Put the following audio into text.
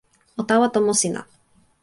o tawa tomo sina.